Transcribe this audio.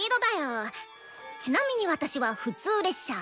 ちなみに私は普通列車。